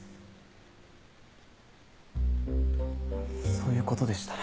そういうことでしたら。